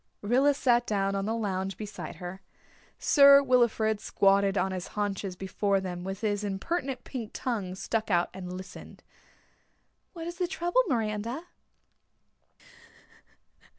Rilla sat down on the lounge beside her. Sir Wilfrid squatted on his haunches before them, with his impertinent pink tongue stuck out, and listened. "What is the trouble, Miranda?"